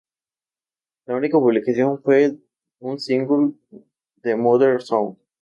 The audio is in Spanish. Su única publicación fue un single, "The Mother Song".